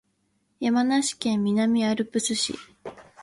山梨県南アルプス市